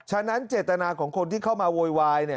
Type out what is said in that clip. ฉะนั้นเจตนาของคนที่เข้ามาโวยวาย